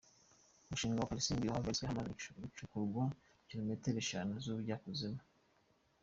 Umushinga wa Kalisimbi wahagaritswe hamaze gucukurwa kilometero eshanu z’ubujyakuzimu.